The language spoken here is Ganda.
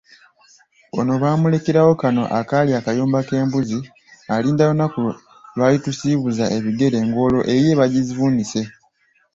Ono baamulekerawo kano akaali akayumba k'embuzi alinda lunaku lw'alitusiibuza ebigere ng'olwo eyiye bagivuunise.